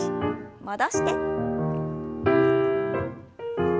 戻して。